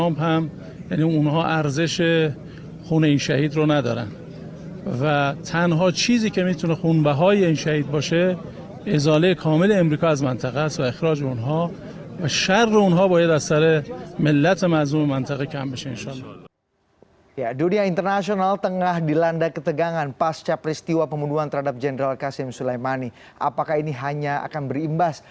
pemerintah iran berjanji akan membalas serangan amerika yang menewaskan jumat pekan yang tewas